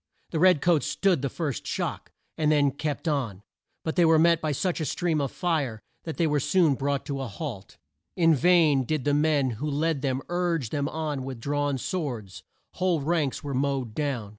The red coats stood the first shock, and then kept on, but were met by such a stream of fire that they were soon brought to a halt. In vain did the men who led them urge them on with drawn swords. Whole ranks were mowed down.